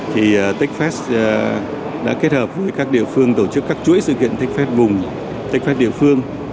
thì techfest đã kết hợp với các địa phương tổ chức các chuỗi sự kiện techfest vùng techfest địa phương